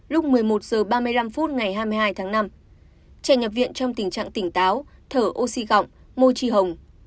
lúc một mươi một h ba mươi năm phút ngày hai mươi hai tháng năm trẻ nhập viện trong tình trạng tỉnh táo thở oxy gọng môi tri hồng